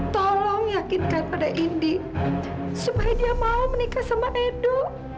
tolong yakinkan pada indi supaya dia mau menikah sama nu